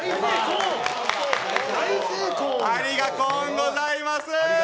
ありがコーンございます。